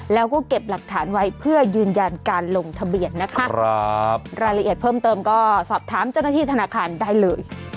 แล้วก็เก็บหลักฐานไว้เพื่อยืนยันการลงทะเบียนนะคะรายละเอียดเพิ่มเติมก็สอบถามเจ้าหน้าที่ธนาคารได้เลย